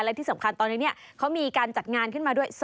และที่สำคัญตอนนี้เขามีการจัดงานขึ้นมาด้วย